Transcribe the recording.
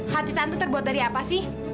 hati tante terbuat dari apa sih